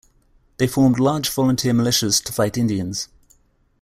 They formed large volunteer militias to fight Indians.